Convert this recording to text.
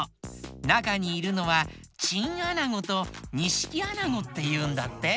なかにいるのはチンアナゴとニシキアナゴっていうんだって。